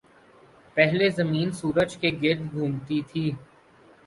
پہلے زمین سورج کے گرد گھومتی تھی۔